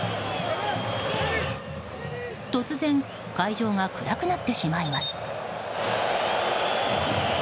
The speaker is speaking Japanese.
突然、会場が暗くなってしまいます。